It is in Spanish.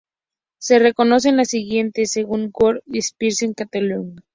Se reconocen las siguientes según "World Spider Catalog" v.